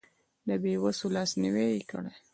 د بې وسو لاسنیوی یې کړی.